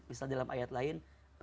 misalnya dalam ayat lain